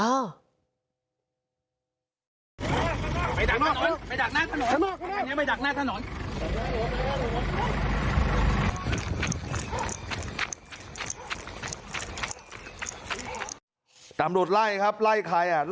ฮะตำรวจไล่ครับไล่ใครเหรอ